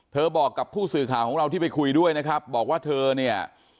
บอกกับผู้สื่อข่าวของเราที่ไปคุยด้วยนะครับบอกว่าเธอเนี่ย